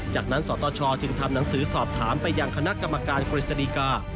จากนั้นสตชจึงทำหนังสือสอบถามไปยังคณะกรรมการกฤษฎีกา